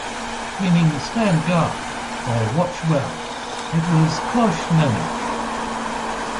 Meaning "stand guard", or "watch well", it was "Kloshe Nanitch".